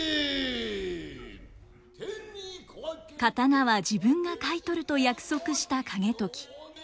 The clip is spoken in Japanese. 刀は自分が買い取ると約束した景時。